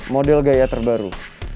model gaya terbaru